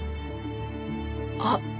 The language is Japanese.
あっ。